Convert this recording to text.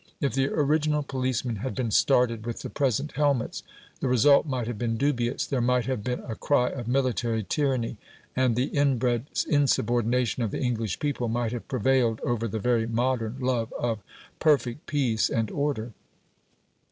If the original policemen had been started with the present helmets, the result might have been dubious; there might have been a cry of military tyranny, and the inbred insubordination of the English people might have prevailed over the very modern love of PERFECT peace and order.